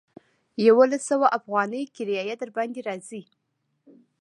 يوولس سوه اوغانۍ کرايه درباندې راځي.